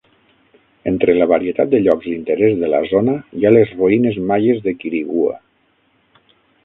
Entre la varietat de llocs d'interès de la zona hi ha les ruïnes maies de Quirigua.